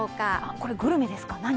これ、グルメですか、何？